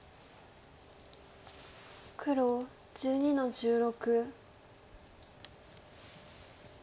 黒１２の十六。